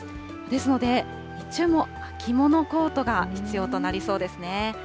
ですので、日中も秋物コートが必要となりそうですね。